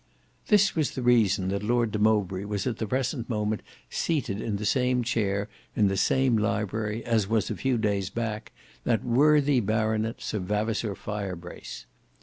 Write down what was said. This was the reason that Lord de Mowbray was at the present moment seated in the same chair in the same library as was a few days back that worthy baronet, Sir Vavasour Firebrace.